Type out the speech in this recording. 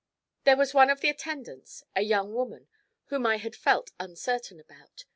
There was one of the attendants, a young woman, whom I had felt uncertain about.